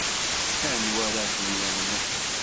Anwa ara ten-yamnen?